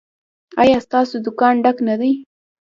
ایا ستاسو دکان ډک نه دی؟